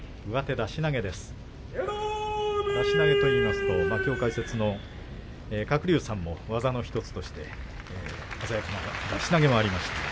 出し投げといいますときょう解説の鶴竜さんも技の１つとして鮮やかな出し投げもありました。